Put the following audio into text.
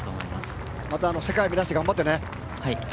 また世界を目指して頑張ってね。